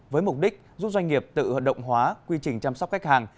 với mục đích giúp doanh nghiệp tự hợp động hóa quy trình chăm sóc khách hàng